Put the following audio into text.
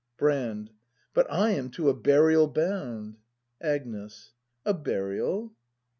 Brand. But / am to a burial bound. Agnes. A burial.